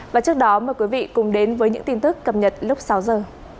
và trước đó mời quý vị cùng đến với những tin tức cập nhật lúc sáu giờ